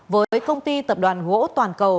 với công ty tập đoàn gỗ toàn cầu